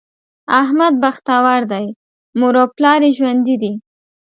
احمد بختور دی؛ مور او پلار یې ژوندي دي.